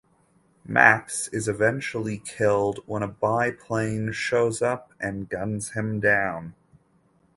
Max is eventually killed when a biplane shows up and guns him down.